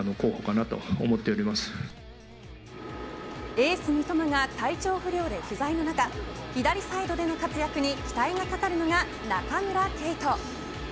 エース三笘が体調不良で不在の中左サイドでの活躍に期待がかかるのが中村敬斗。